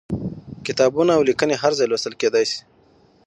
کتابونه او ليکنې هر ځای لوستل کېدای شي.